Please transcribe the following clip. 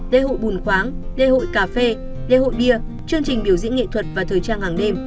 lễ hội bùn khoáng lễ hội cà phê lễ hội bia chương trình biểu diễn nghệ thuật và thời trang hàng đêm